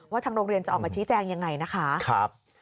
ทางโรงเรียนจะออกมาชี้แจงยังไงนะคะ